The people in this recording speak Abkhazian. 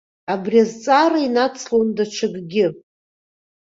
Абри азҵаара инацлон даҽакгьы.